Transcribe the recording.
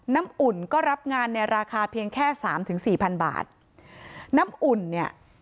น้ำอุ่นก็รับงานในราคาเพียงแค่สามถึงสี่พันบาทน้ำอุ่นเนี่ย